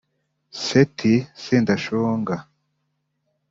Seth Sendashonga